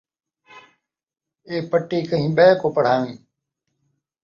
اے پٹی کہیں ٻئے کوں پڑھاویں